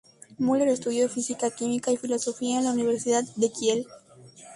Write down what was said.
Müller estudió Física, Química y Filosofía en la Universidad de Kiel.